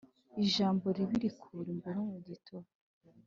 i jambo ribi rikura imboro mu gi tuba